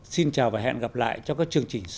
xin chào và hẹn gặp lại trong các chương trình sau